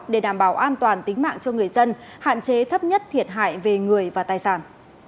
để đảm bảo an toàn tính mạng cho người dân hạn chế thấp nhất thiệt hại về người và tài sản